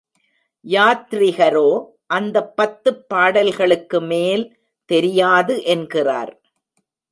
யாத்ரிகரோ அந்தப் பத்துப் பாடல்களுக்கு மேல் தெரியாது என்கிறார்.